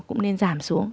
cũng nên giảm xuống